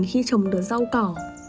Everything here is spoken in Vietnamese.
khi trồng được rau cỏ